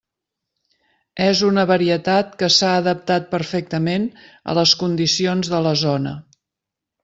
És una varietat que s'ha adaptat perfectament a les condicions de la zona.